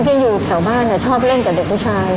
ที่ตะวันอยู่แถวบ้านเนี่ยชอบเล่นกับเด็กผู้ชาย